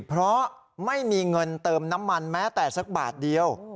เพราะไม่มีเงินเติมน้ำมันแม้แต่สักบาทเดียว